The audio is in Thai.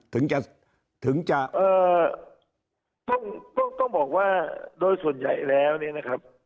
ถึงจะต้องต้องบอกว่าโดยส่วนใหญ่แล้วเนี่ยนะครับ